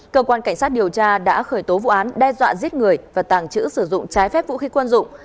cơ quan cảnh sát điều tra đã khởi tố vụ án đe dọa giết người và tàng trữ sử dụng trái phép vũ khí quân dụng